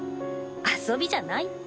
遊びじゃないって。